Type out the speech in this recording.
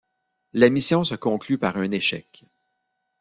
La mission se conclut par un échec.